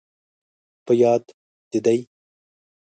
په یاد، دې دي؟